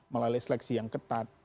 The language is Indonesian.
melalui seleksi yang ketat